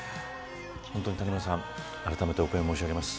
本当に谷村さん、あらためてお悔み申し上げます。